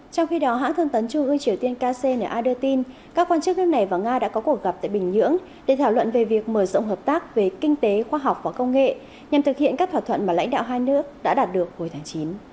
trong khi đó hãng thương tấn trung ương triều tiên kcna đưa tin các quan chức nước này và nga đã có cuộc gặp tại bình nhưỡng để thảo luận về việc mở rộng hợp tác về kinh tế khoa học và công nghệ nhằm thực hiện các thỏa thuận mà lãnh đạo hai nước đã đạt được hồi tháng chín